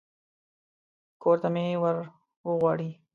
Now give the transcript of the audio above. کور ته مې ور وغواړي.